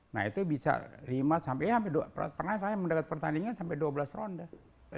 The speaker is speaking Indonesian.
nah itu bisa lima sampai dua pernah saya mendekat pertandingan sampai dua belas ronde